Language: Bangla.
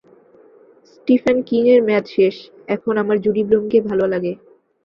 স্টিফেন কিং এর মেয়াদ শেষ, এখন আমার জুডি ব্লুম কে ভালো লাগে।